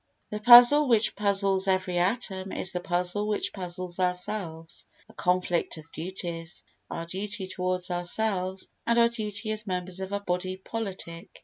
The puzzle which puzzles every atom is the puzzle which puzzles ourselves—a conflict of duties—our duty towards ourselves, and our duty as members of a body politic.